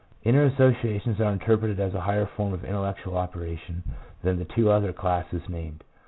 " Inner associations are interpreted as a higher form of intellectual operation than the two other classes named.